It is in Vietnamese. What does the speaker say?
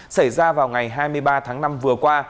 xảy ra vào ngày hai mươi ba tháng năm vừa qua